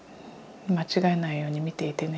間違えないように見ていてね。